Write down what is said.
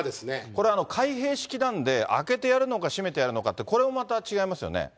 これ、開閉式なんで、開けてやるのか閉めてやるのかって、これもまた違いますよね。